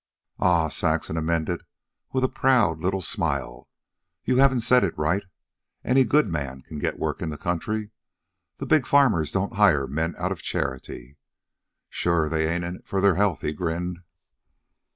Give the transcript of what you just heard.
"Ah," Saxon amended, with a proud little smile, "you haven't said it right. Any GOOD man can get work in the country. The big farmers don't hire men out of charity." "Sure; they ain't in it for their health," he grinned.